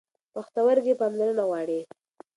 پښتورګي پاملرنه غواړي.